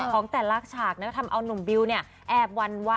ของแต่ละฉากทำเอานุ่มบิวแอบวันว่า